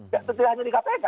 ya tidak hanya di kpk